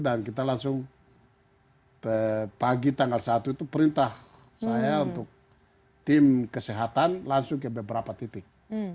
dan kita langsung pagi tanggal satu itu perintah saya untuk tim kesehatan langsung ke beberapa titik